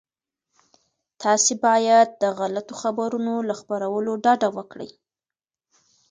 تاسي باید د غلطو خبرونو له خپرولو ډډه وکړئ.